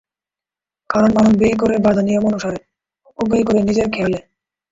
কারণ, মানুষ ব্যয় করে বাঁধা নিয়ম অনুসারে, অপব্যয় করে নিজের খেয়ালে।